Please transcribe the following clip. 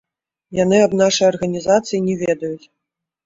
Яны аб нашай арганізацыі не ведаюць.